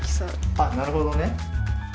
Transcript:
あなるほどね。